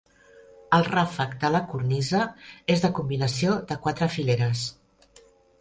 El ràfec de la cornisa és de combinació de quatre fileres.